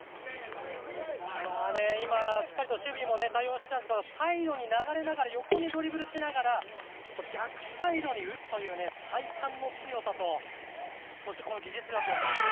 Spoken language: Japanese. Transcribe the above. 今、しっかり守備も対応していたんですけどサイドに流れながら横にドリブルしながら逆サイドに打つという体幹の強さとそして、この技術力。